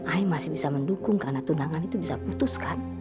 ai masih bisa mendukung karena tunangan itu bisa putuskan